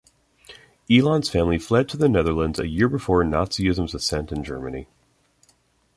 Elon's family fled to the Netherlands a year before Nazism's ascent in Germany.